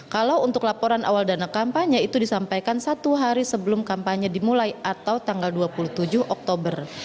kalau untuk laporan awal dana kampanye itu disampaikan satu hari sebelum kampanye dimulai atau tanggal dua puluh tujuh oktober